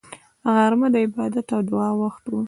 غرمه د عبادت او دعا وخت وي